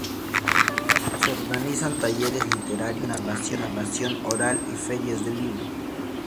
Se organizan talleres literarios y narración oral y ferias del libro.